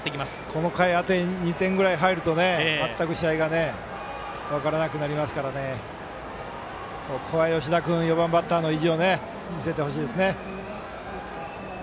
この回あと２点ぐらい入ると全く試合が分からなくなりますから吉田君、４番バッターの意地を見せてほしいですね。